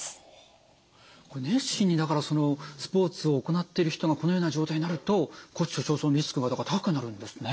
熱心にだからそのスポーツを行っている人がこのような状態になると骨粗しょう症のリスクが高くなるんですね。